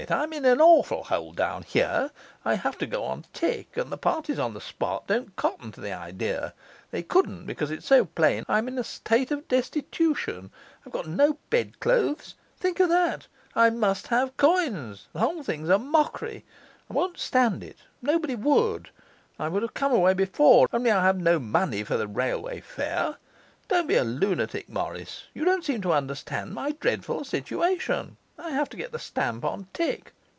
I'm in an awful hole down here; I have to go on tick, and the parties on the spot don't cotton to the idea; they couldn't, because it is so plain I'm in a stait of Destitution. I've got no bedclothes, think of that, I must have coins, the hole thing's a Mockry, I wont stand it, nobody would. I would have come away before, only I have no money for the railway fare. Don't be a lunatic, Morris, you don't seem to understand my dredful situation. I have to get the stamp on tick.